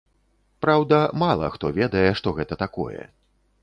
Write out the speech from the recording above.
Праўда, мала хто ведае, што гэта такое.